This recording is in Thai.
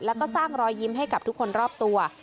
แล้วก็สร้างรอยยิ้มให้กับทุกคนรอบตัว